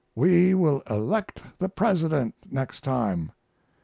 We will elect the President next time.